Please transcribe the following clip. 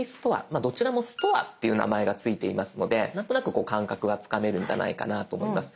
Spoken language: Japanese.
まあどちらもストアっていう名前が付いていますので何となくこう感覚がつかめるんじゃないかなと思います。